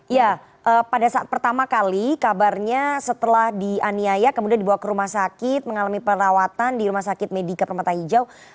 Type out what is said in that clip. ya pada saat pertama kali kabarnya setelah dianiaya kemudian dibawa ke rumah sakit mengalami perawatan di rumah sakit medika permata hijau